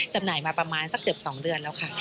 จำหน่ายมาประมาณสักเกือบ๒เดือนแล้วค่ะ